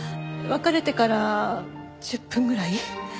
別れてから１０分ぐらい。